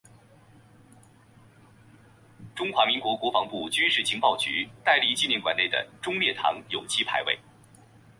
中华民国国防部军事情报局戴笠纪念馆内的忠烈堂有其牌位。